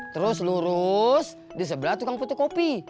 terus lurus di sebelah tukang putih kopi